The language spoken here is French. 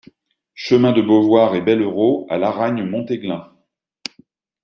Chemin de Beauvoir et Bellerots à Laragne-Montéglin